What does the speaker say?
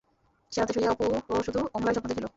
সে রাত্রে শূইয়া অপু শুধু অমলারই স্বপ্ন দেখিল।